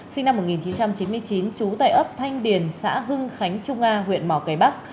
sinh năm một nghìn chín trăm chín mươi chín trú tại ấp thanh điền xã hưng khánh trung a huyện mỏ cây bắc